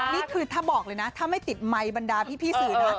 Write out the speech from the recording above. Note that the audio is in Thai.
นี่คือถ้าบอกเลยนะถ้าไม่ติดไมค์บรรดาพี่สื่อนะ